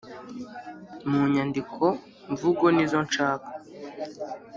mu nyandiko. mvugo nizo nshaka